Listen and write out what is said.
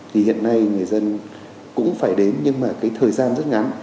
thì hiện nay người dân cũng phải đến nhưng mà cái thời gian rất ngắn